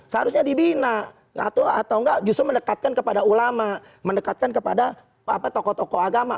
seharusnya dibina atau enggak justru mendekatkan kepada ulama mendekatkan kepada tokoh tokoh agama